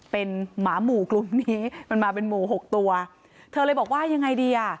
เป็นหมาหมู่กลุ่มนี้มันมาเป็นหมู่หกตัวเธอเลยบอกว่ายังไงดีอ่ะ